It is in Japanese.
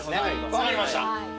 分かりました。